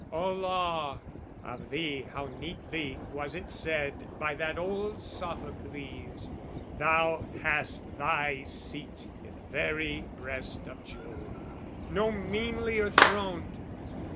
O Law, of thee how neatly was it said By that old Sophocles, thou hast thy seat I' the very breast of Jove, no meanlier throned!